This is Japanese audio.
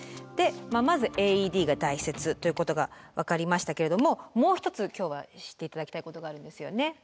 でまずＡＥＤが大切ということが分かりましたけれどももう一つ今日は知って頂きたいことがあるんですよね。